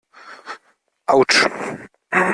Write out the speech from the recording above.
Autsch!